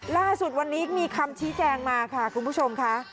ล่าสุดวันนี้มีคำชี้แจงมาค่ะคุณผู้ชมค่ะ